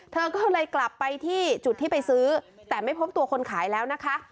เธอก็เลยกลับไปที่จุดที่ไปซื้อแต่ไม่พบตัวคนขายแล้วนะคะ